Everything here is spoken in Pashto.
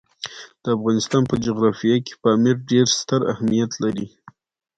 د افغانستان په جغرافیه کې پامیر ډېر ستر اهمیت لري.